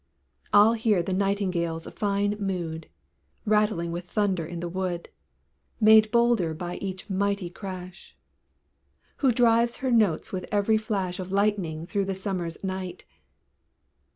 I'll hear the Nightingale's fine mood, Rattling with thunder in the wood, Made bolder by each mighty crash; Who drives her notes with every flash Of lightning through the summer's night.